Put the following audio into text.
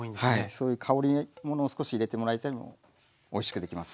そういう香りものを少し入れてもらえてもおいしくできます。